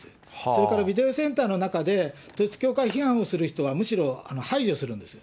それからビデオセンターの中で、統一教会批判をする人は、むしろ排除するんです。